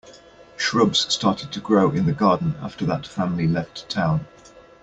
Shrubs started to grow in the garden after that family left town.